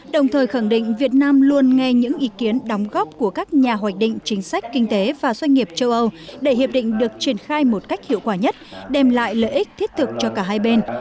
đồng thời khẳng định việt nam luôn nghe những ý kiến đóng góp của các nhà hoạch định chính sách kinh tế và doanh nghiệp châu âu để hiệp định được triển khai một cách hiệu quả nhất đem lại lợi ích thiết thực cho cả hai bên